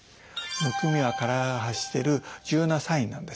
むくみは体が発してる重要なサインなんです。